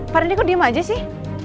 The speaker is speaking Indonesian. pak rendy kok diem aja sih